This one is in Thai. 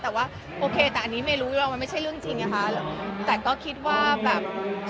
แต่ว่าโอเคแต่อันนี้ไม่รู้ว่ามันไม่ใช่เรื่องจริงนะคะแต่ก็คิดว่าแบบ